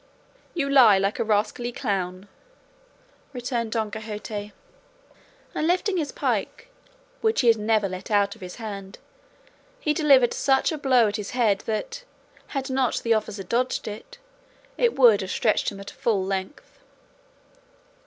"You lie like a rascally clown," returned Don Quixote; and lifting his pike, which he had never let out of his hand, he delivered such a blow at his head that, had not the officer dodged it, it would have stretched him at full length.